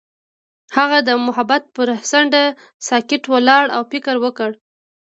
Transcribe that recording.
هغه د محبت پر څنډه ساکت ولاړ او فکر وکړ.